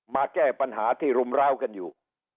มาแก้ปัญหาที่รุมร้าวกันอยู่